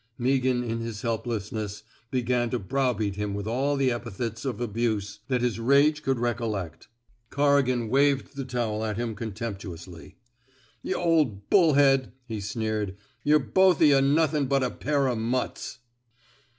Meaghan, in his helplessness, began to browbeat him with all the epithets of abuse 261 THE SMOKE EATERS that his rage could recollect. Corrigan waved the towel at him contemptuously. Y' or bull head,'' he sneered. Yuh're both o' yuh nothin' but a pair o' muts.''